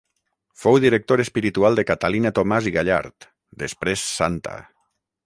Fou director espiritual de Catalina Tomàs i Gallard, després santa.